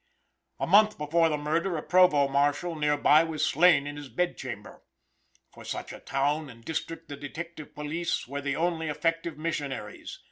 A month before the murder a provost marshal near by was slain in his bed chamber. For such a town and district the detective police were the only effective missionaries.